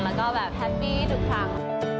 แล้วก็แบบแฮปปี้ทุกครั้ง